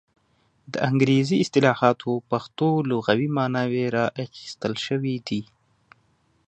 د انګریزي اصطلاحاتو پښتو لغوي ماناوې را اخیستل شوې دي.